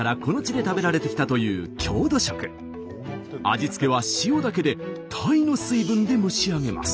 味付けは塩だけで鯛の水分で蒸し上げます。